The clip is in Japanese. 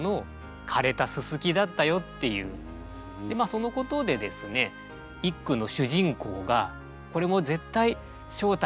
そのことでですね一句の主人公が「これも絶対正体があるはずだ。